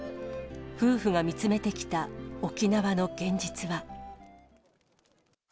夫婦が見つめてきた沖縄の現実は。